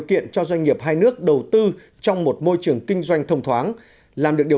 xin chào và hẹn gặp lại